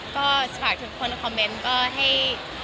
ก็ฝากทุกคนคอมเมนต์ก็ให้